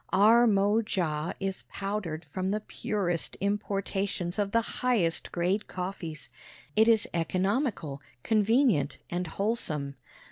Ar mo ja is powdered from the purest importations of the highest grade coffees. It is economical, convenient and wholesome.